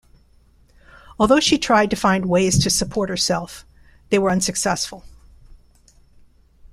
Although she tried to find ways to support herself, they were unsuccessful.